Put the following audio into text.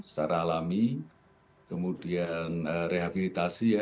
secara alami kemudian rehabilitasi ya